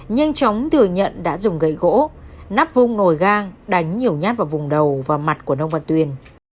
nhanh chóng thừa nhận đã dùng gãy gỗ nắp vung nồi gan đánh nhiều nhát vào vùng đầu và mặt của nông vật tuyển